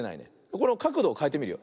このかくどをかえてみるよ。